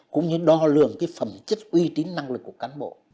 cũng như đo lường cái phẩm chất uy tín năng lực của cán bộ